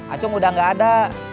acung udah gak ada